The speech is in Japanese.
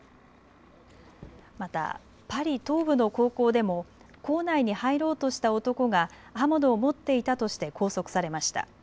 またパリ東部の高校でも校内に入ろうとした男が刃物を持っていたとして拘束されました。